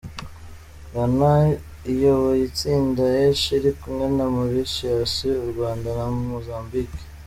Ghana iyoboye itsinda H iri kumwe na Mauritius, u Rwanda na Mozambique.